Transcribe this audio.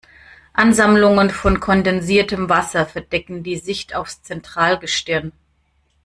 Ansammlungen von kondensiertem Wasser verdecken die Sicht aufs Zentralgestirn.